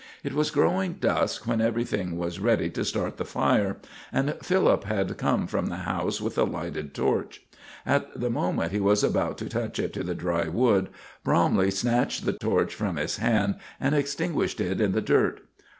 It was growing dusk when everything was ready to start the fire, and Philip had come from the house with a lighted torch. At the moment he was about to touch it to the dry wood, Bromley snatched the torch from his hand and extinguished it in the dirt.